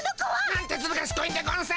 なんてずるがしこいんでゴンス！